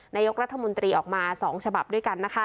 นายกรัฐมนตรีออกมา๒ฉบับด้วยกันนะคะ